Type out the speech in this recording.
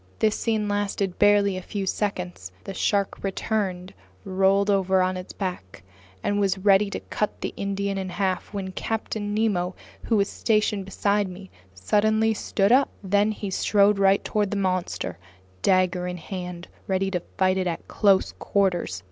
This scene lasted barely a few seconds. The shark returned, rolled over on its back, and was getting ready to cut the Indian in half, when Captain Nemo, who was stationed beside me, suddenly stood up. Then he strode right toward the monster, dagger in hand, ready to fight it at close quarters.